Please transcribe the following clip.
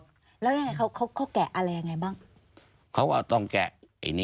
แล้วยังไงเขาแกะอะไรอย่างไรบ้าง